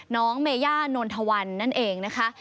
น้องเมย่านนทวันนั่นเองนะคะ